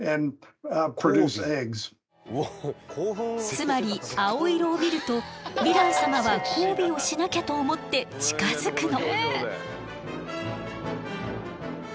つまり青色を見るとヴィラン様は交尾をしなきゃと思って近づくの。